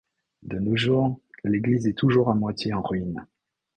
De nos jours, l'église est toujours à moitié en ruine.